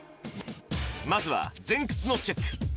まずは前屈のチェック